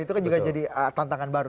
itu kan juga jadi tantangan baru